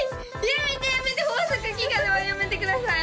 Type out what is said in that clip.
やめてやめて豊作祈願はやめてください